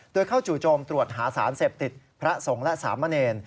โดยเข้าจู่โจมตรวจหาสารเสพติดพระสงฆ์และสามเณร